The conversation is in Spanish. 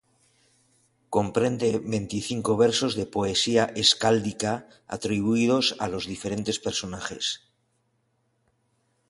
Comprende veinticinco versos de poesía escáldica atribuidos a los diferentes personajes.